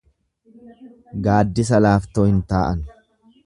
Gaaddisa laaftoo hin taa'an.